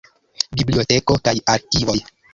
Biblioteko kaj arkivoj.